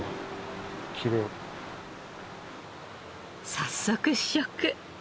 早速試食。